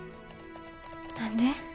何で？